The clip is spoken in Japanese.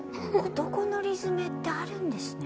男の理詰めってあるんですね。